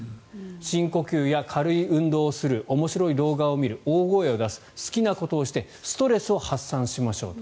深呼吸や軽い運動をする面白い動画を見る大声を出す好きなことをしてストレスを発散しましょうと。